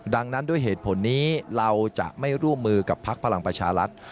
ดังนั้นด้วยเหตุผลนี้เราจะไม่ร่วมมือกับพักพลังประชารัฐ